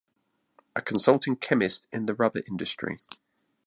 A consulting chemist in the rubber industry.